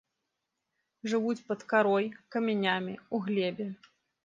Жывуць пад карой, камянямі, у глебе.